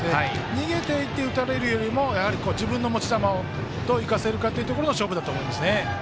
逃げていって打たれるよりも自分の持ち球をどう生かせるかというところの勝負だと思います。